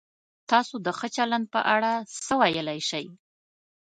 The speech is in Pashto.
تاسو د ښه چلند په اړه څه ویلای شئ؟